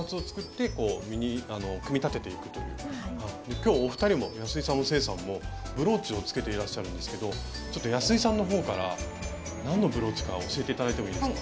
きょうお二人も安井さんも清さんもブローチをつけていらっしゃるんですけど安井さんのほうから何のブローチか教えていただいてもいいですか。